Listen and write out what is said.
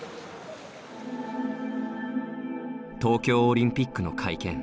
東京オリンピックの会見。